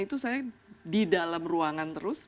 itu saya di dalam ruangan terus